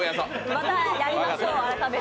またやりましょう、改めて。